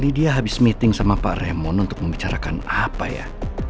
lidia habis meeting sama pak raymond untuk membicarakan apa ya